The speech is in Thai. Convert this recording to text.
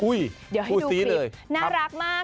เดี๋ยวให้ดูคลิปน่ารักมาก